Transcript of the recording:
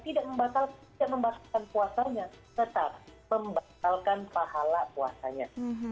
tidak membatalkan puasanya tetap membatalkan pahala puasanya